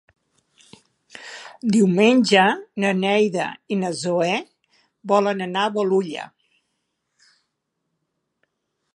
Diumenge na Neida i na Zoè volen anar a Bolulla.